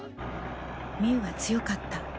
みうは強かった。